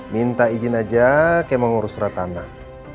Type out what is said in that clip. minta izin aja kayak mau ngurus surat tanah